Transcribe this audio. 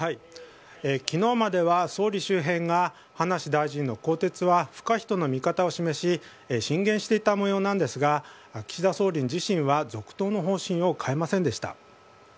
昨日までは総理周辺が葉梨大臣の更迭は不可避との見方を示し進言していた模様なんですが岸田総理自身は続投の方針を変えませんでした。